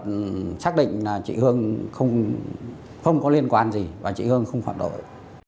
đã xác định là chị hương không có liên quan gì và chị hương không phản đổi